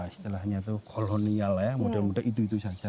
setelahnya itu kolonial ya mudah mudah itu itu saja